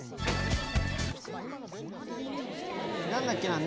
何だっけな？